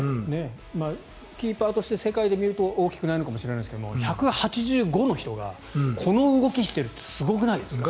キーパーとして世界で見ると大きくないのかもしれませんが１８５ｃｍの人がこの動きしてるってすごくないですか？